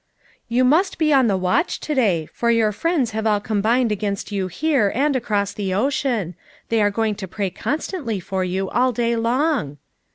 "You must be on the watch to day for your friends have all combined against you here, and across the ocean; they are going to pray constantly for you all day long.